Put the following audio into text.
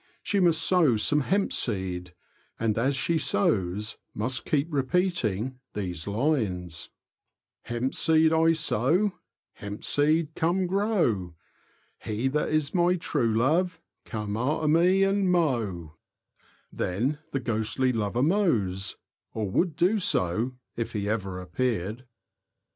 She must sow some hemp seed, and as she sows must keep repeating these lines :— Hemp seed I sow — Hemp seed, come grow! He that is my true love, Come after me and mow. Then the ghostly lover mows — or would do so if he ever appeared. (10.)